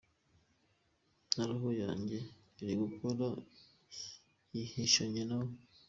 Na roho yanjye irigukora yihishanye nawe.